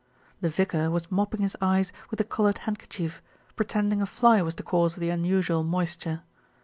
The vicar was mopping his eyes with a coloured handkerchief, pretending a fly was the cause of the un usual moisture.